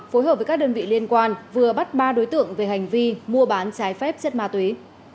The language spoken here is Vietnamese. phối hợp với các đơn vị liên quan vừa bắt ba đối tượng về hành vi mua bán trái phép chất ma túy